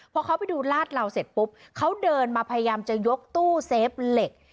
พอเขาไปดูลาดเหล่าเสร็จปุ๊บเขาเดินมาพยายามจะยกตู้เซฟเหล็ก